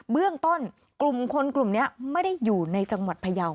เบื้องต้นกลุ่มคนกลุ่มนี้ไม่ได้อยู่ในจังหวัดพยาว